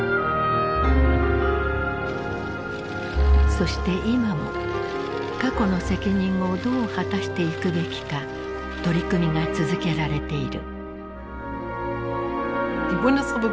そして今も過去の責任をどう果たしていくべきか取り組みが続けられている。